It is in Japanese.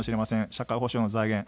社会保障の財源。